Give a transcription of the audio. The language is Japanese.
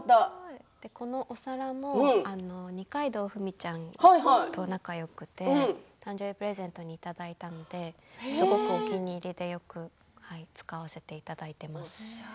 このお皿も二階堂ふみちゃんと仲よくて誕生日プレゼントにいただいたのですごくお気に入りでよく使わせていただいています。